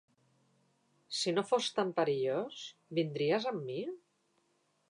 Si no fos tan perillós, vindries amb mi?